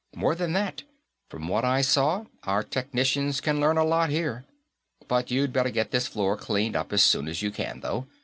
More than that; from what I saw, our technicians can learn a lot, here. But you'd better get this floor cleaned up as soon as you can, though.